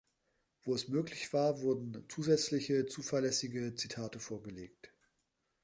Wo es möglich war, wurden zusätzliche zuverlässige Zitate vorgelegt.